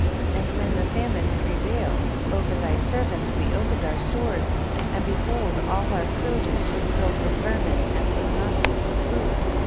24. And when the famine prevailed over thy servants we opened our stores, and behold all our produce was filled with vermin and was not fit for food.